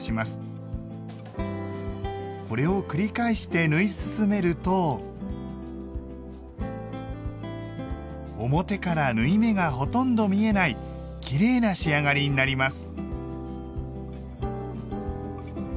これを繰り返して縫い進めると表から縫い目がほとんど見えないきれいな仕上がりになります。